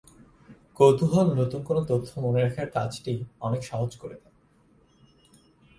কৌতূহল নতুন কোনো তথ্য মনে রাখার কাজটি অনেক সহজ করে দেয়।